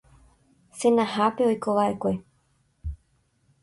Senahápe oikova'ekue